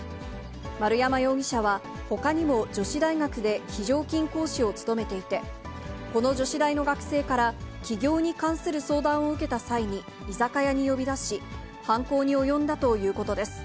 丸山容疑者は、ほかにも女子大学で非常勤講師を務めていて、この女子大の学生から、起業に関する相談を受けた際に、居酒屋に呼び出し、犯行に及んだということです。